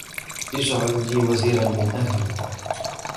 واجعل لي وزيرا من أهلي